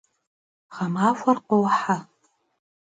Ğemaxuer khohe.